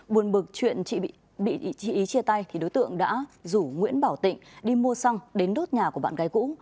buồn bực chuyện chị ý chia tay đối tượng đã rủ nguyễn bảo tịnh đi mua xăng đến đốt nhà của bạn gái cũ